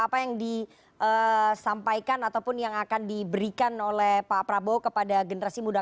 apa yang disampaikan ataupun yang akan diberikan oleh pak prabowo kepada generasi muda